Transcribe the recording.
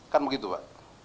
kan begitu pak